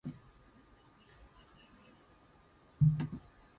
Noise can be added to the system.